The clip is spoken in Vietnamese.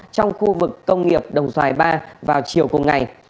trong khu vực công nghiệp đồng xoài ba vào chiều cùng ngày